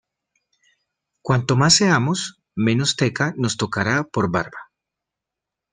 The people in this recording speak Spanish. Cuanto más seamos, menos teca nos tocará por barba.